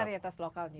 itu dari atas lokal gitu